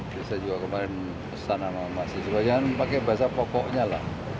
terus saya juga kemarin pesan sama mahasiswa jangan pakai bahasa pokoknya lah